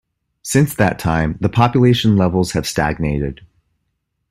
Since that time, the population levels have stagnated.